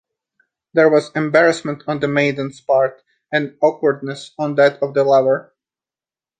There was embarrassment on the maiden's part, and awkwardness on that of the lover.